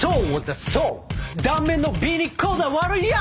断面の美にこだわるＹＯ！